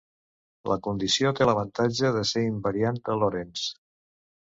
La condició té l'avantatge de ser invariant de Lorentz.